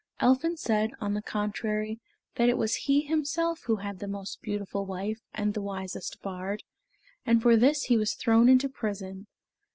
Elphin said, on the contrary, that it was he himself who had the most beautiful wife and the wisest bard, and for this he was thrown into prison.